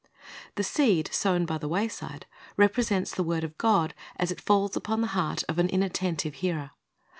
The seed sown by the wayside represents the word of God as it falls upon the heart of an inattentive hearer.